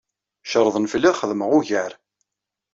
Cerrḍen fell-i ad xedmeɣ ugar.